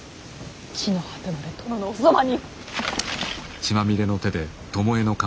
地の果てまで殿のおそばに！